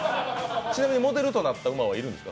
ちなみに、モデルとなった馬はいるんですか？